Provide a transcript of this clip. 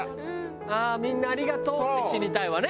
「ああみんなありがとう」って死にたいわね